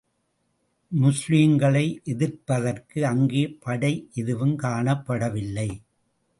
முஸ்லிம்களை எதிர்ப்பதற்கு அங்கே படை எதுவும் காணப்படவில்லை.